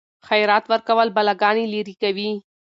خیرات ورکول بلاګانې لیرې کوي.